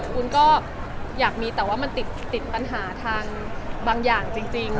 คุณก็อยากมีแต่ว่ามันติดปัญหาทางบางอย่างจริง